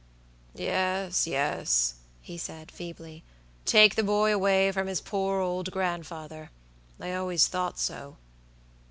"Yes, yes," he said, feebly; "take the boy away from his poor old grandfather; I always thought so."